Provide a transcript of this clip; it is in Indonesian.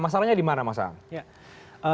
masalahnya di mana mas am